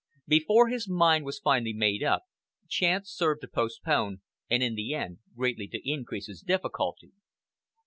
Before his mind was fully made up, chance served to postpone, and in the end greatly to increase his difficulty.